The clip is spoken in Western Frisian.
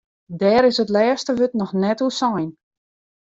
Dêr is it lêste wurd noch net oer sein.